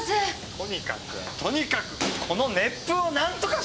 とにかくとにかくこの熱風をなんとかしろよ！